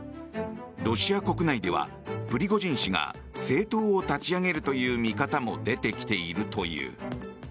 ロシア国内ではプリゴジン氏が政党を立ち上げるという見方も出てきているという。